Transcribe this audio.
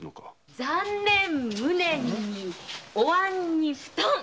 残念無念にお椀に布団。